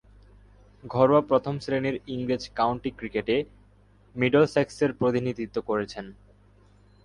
ঘরোয়া প্রথম-শ্রেণীর ইংরেজ কাউন্টি ক্রিকেটে মিডলসেক্সের প্রতিনিধিত্ব করেছেন।